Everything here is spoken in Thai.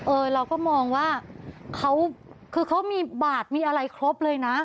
เราก็มองว่าเขาคือเขามีบาทมีอะไรครบเลยนะ